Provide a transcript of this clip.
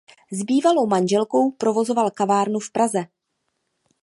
S bývalou manželkou provozoval kavárnu v Praze.